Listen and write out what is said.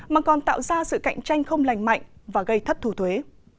mà còn tạo ra sự cạnh tranh không lành mạnh và gây thất thù thuế